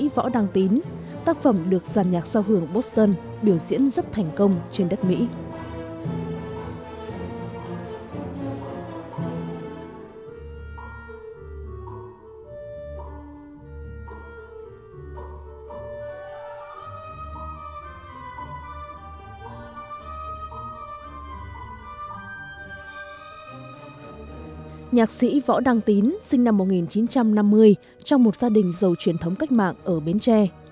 võ đăng tín sinh năm một nghìn chín trăm năm mươi trong một gia đình giàu truyền thống cách mạng ở bến tre